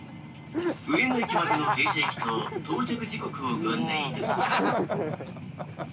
「上野駅までの停車駅と到着時刻をご案内いたします」。